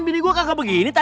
bini gua kagak begitu